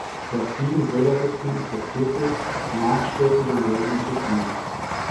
Das Sweden Solar System ist das größte maßstäbliche Modell unseres Sonnensystems.